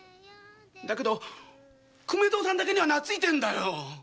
だけど粂蔵さんだけにはなついてんだよ！